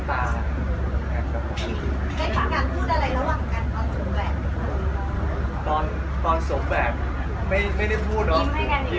ในการพูดอะไรระหว่างกันตอนส่งแหวนตอนตอนส่งแหวนไม่ไม่ได้พูดอ่ะ